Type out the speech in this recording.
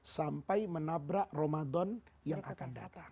sampai menabrak ramadan yang akan datang